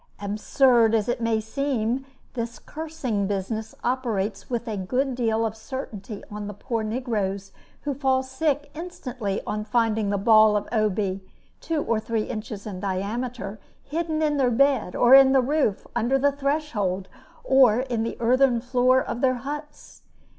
Absurd as it may seem, this cursing business operates with a good deal of certainty on the poor negroes, who fall sick instantly on finding the ball of Obi, two or three inches in diameter, hidden in their bed, or in the roof, or under the threshold, or in the earthen floor of their huts.